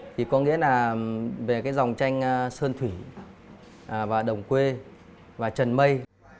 thì có nghĩa là về cái dòng tranh sơn thủy và đồng quê và trần mây